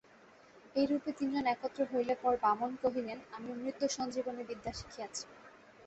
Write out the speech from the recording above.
এই রূপে তিন জন একত্র হইলে পর বামন কহিলেন, আমি মৃতসঞ্জীবনী বিদ্যা শিখিয়াছি।